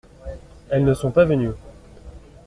Elles ne sont pas venues.